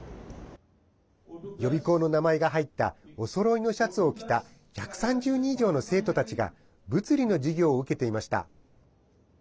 予備校の名前が入ったおそろいのシャツを着た１３０人以上の生徒たちが物理の授業を受けていました。